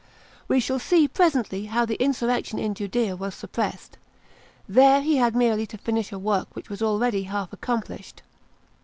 We shall see presently how the insurrection in Judea was suppressed ; there he had merely to finish a work which was already hair' accomplished.